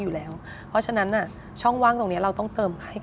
กลัวการแต่งงานไหม